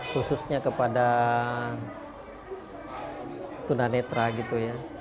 khususnya kepada tunanetra gitu ya